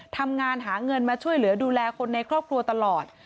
ทำงานหาเงินมาช่วยเหลือดูแลคนในครอบครัวตลอด